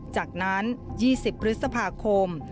จากนั้น๒๐พฤษภาคม